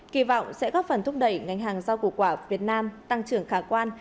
kỳ vọng sẽ góp phần thúc đẩy ngành hàng giao củ quả việt nam tăng trưởng khả quan